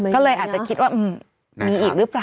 ก็เลยอาจจะคิดว่ามีอีกหรือเปล่า